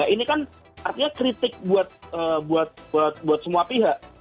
ini kan artinya kritik buat semua pihak